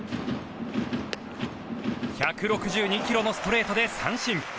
１６２キロのストレートで三振。